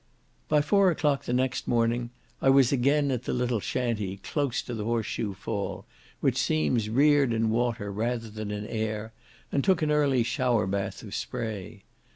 By four o'clock the next morning I was again at the little shantee, close to the horse shoe fall, which seems reared in water rather than in air, and took an early shower bath of spray.